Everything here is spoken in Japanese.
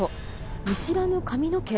見知らぬ髪の毛？